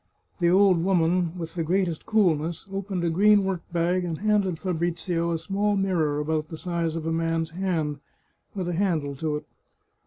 The old woman, with the greatest coolness, opened a green workbag and handed Fabrizio a small mirror about the size of a man's hand, with a handle to it.